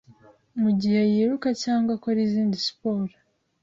mu gihe yiruka cyangwa akora izindi siporo